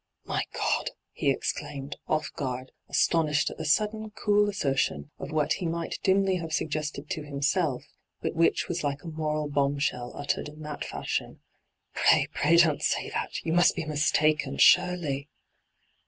' My Grod 1' he exclaimed, off guard, as tonished at the sudden cool assertion of what he might dimly have suggested to himself, but which was like a moral bombshell uttered ia that &shioD. ' Fray, pray don't say that t You must be mistaken, surely